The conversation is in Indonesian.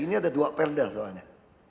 ini ada dua perda soalnya